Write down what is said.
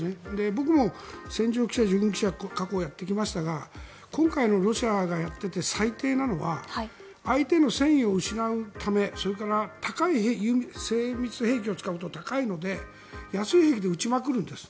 僕も戦場記者、従軍記者過去にやってきましたが今回のロシアがやっていて最低なのは相手の戦意を失うためそれから高い精密兵器を使うと高いので安い兵器で撃ちまくるんです。